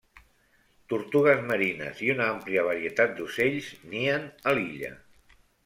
Tortugues marines i una àmplia varietat d'ocells nien a l'illa.